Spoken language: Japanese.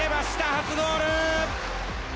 初ゴール！